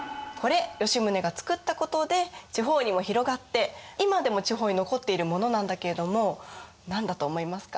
これ吉宗が作ったことで地方にも広がって今でも地方に残っているものなんだけれども何だと思いますか？